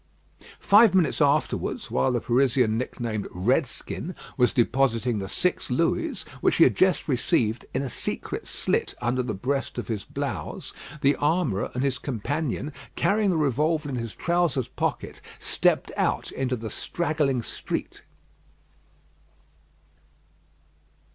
Five minutes afterwards, while the Parisian nicknamed "Redskin" was depositing the six Louis which he had just received in a secret slit under the breast of his blouse, the armourer and his companion carrying the revolver in his trousers pocket, stepped out into the straggling street.